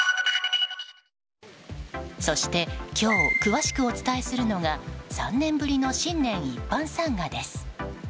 そして、今日詳しくお伝えするのが３年ぶりの新年一般参賀です。